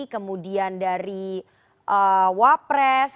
kemudian dari wapres